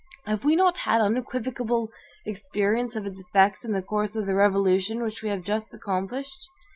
Have we not had unequivocal experience of its effects in the course of the revolution which we have just accomplished?